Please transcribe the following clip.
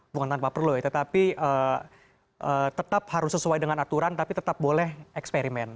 bukan tanpa perlu ya tetapi tetap harus sesuai dengan aturan tapi tetap boleh eksperimen